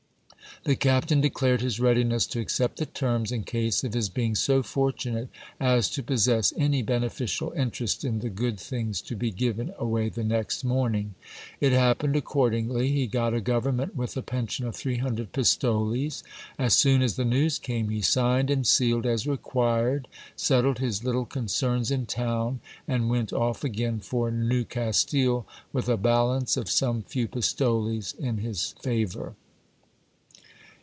The captain declared his readiness to accept the terms, in case of his being so fortunate as to possess any beneficial interest in the good things to be given away the next morning. It happened accordingly. He got a government with a pension of three hundred pistoles. As soon as the news came, he signed and sealed as required, settled his little concerns in town, and went off again for New Castile with a balance of some few pistoles in his favour.